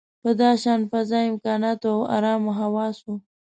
په داشان فضا، امکاناتو او ارامو حواسو.